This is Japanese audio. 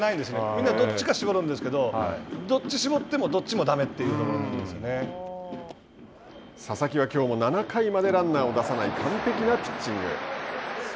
みんな、どっちか絞るんですけどどっち絞ってもどっちもだめ佐々木は、きょうも７回までランナーを出さない完璧なピッチング。